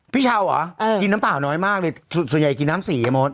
พี่เช้าเหรอกินน้ำเปล่าน้อยมากเลยส่วนใหญ่กินน้ำสีอะมด